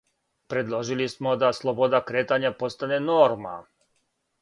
Предложили смо да слобода кретања постане норма.